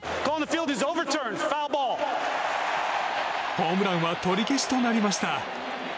ホームランは取り消しとなりました。